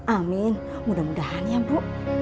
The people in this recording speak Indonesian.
amin mudah mudahan ya bu